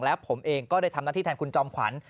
และผมเองก็ได้ทำหน้าที่แทนคุณจอมขวัญ